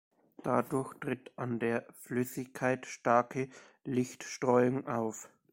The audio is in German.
Dadurch tritt an der Flüssigkeit starke Lichtstreuung auf.